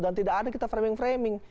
tidak ada kita framing framing